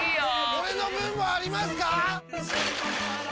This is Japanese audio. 俺の分もありますか！？